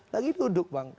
lagi duduk bang